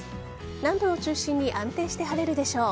南部を中心に安定して晴れるでしょう。